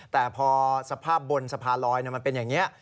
แต่พอสภาพบนสะพานลอยมันเป็นอย่างนี้